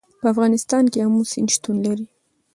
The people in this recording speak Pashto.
په افغانستان کې آمو سیند شتون لري.